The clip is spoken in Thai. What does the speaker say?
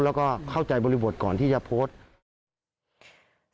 แล้วก็เข้าใจบริบทก่อนที่จะโพสต์